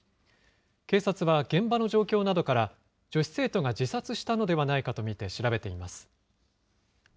警察は現場の状況などから、女子生徒が自殺したのではないかと見て調べています。